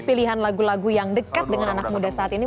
pilihan lagu lagu yang dekat dengan anak muda saat ini